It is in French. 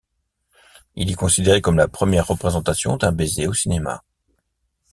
Il est considéré comme la première représentation d'un baiser au cinéma.